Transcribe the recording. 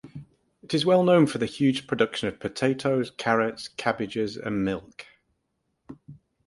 It is well known for the huge production of potatoes, carrots, cabbages and milk.